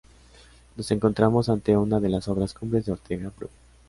Nos encontramos ante una de las obras cumbres de Ortega Bru.